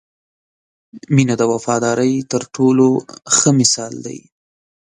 • مینه د وفادارۍ تر ټولو ښه مثال دی.